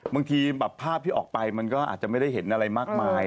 บางทีแบบภาพที่ออกไปมันก็อาจจะไม่ได้เห็นอะไรมากมาย